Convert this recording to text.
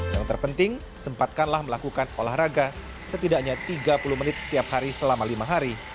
yang terpenting sempatkanlah melakukan olahraga setidaknya tiga puluh menit setiap hari selama lima hari